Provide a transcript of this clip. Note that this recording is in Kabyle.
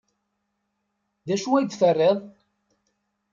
D acu ay d-terriḍ?